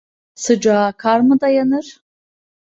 Sıcağa kar mı dayanır?